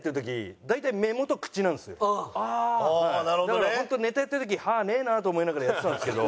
だからホントネタやってる時歯ねえなと思いながらやってたんですけど。